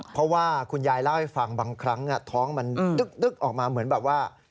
เพราะว่าคุณยายเล่าให้ฟังบางครั้งท้องมันดึ๊กออกมาเหมือนแบบว่า